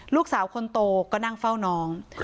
ลูกสาวคนโตก็นั่งเฝ้าน้อง